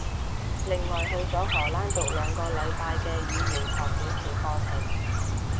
另外去咗荷蘭讀兩個禮拜嘅語言學短期課程